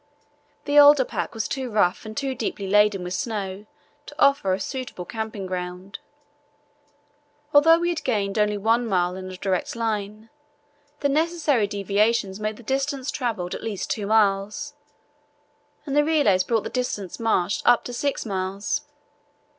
The older pack was too rough and too deeply laden with snow to offer a suitable camping ground. Although we had gained only one mile in a direct line, the necessary deviations made the distance travelled at least two miles, and the relays brought the distance marched up to six miles.